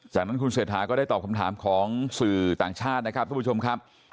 จากนั้นคุณเศรษฐาก็ได้ตอบคำถามของสื่อต่างชาตินะครับทุกผู้ชมครับ